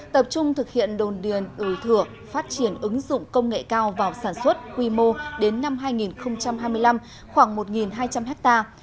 tập trung thực hiện đồn điền ủi thửa phát triển ứng dụng công nghệ cao vào sản xuất quy mô đến năm hai nghìn hai mươi năm khoảng một hai trăm linh ha